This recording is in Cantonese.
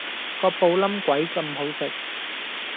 個布冧鬼咁好食